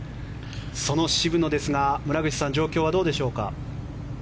その渋野ですが、村口さん状況はどうでしょうか。